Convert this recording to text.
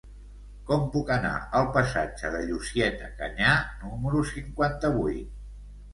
Com puc anar al passatge de Llucieta Canyà número cinquanta-vuit?